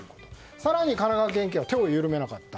更に神奈川県警は手を緩めなかった。